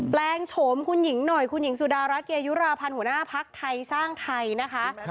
แปลงโฉมคุณหญิงหน่อยคุณหญิงสุดารัฐเกยุราพันธ์หัวหน้าพักไทยสร้างไทยนะคะ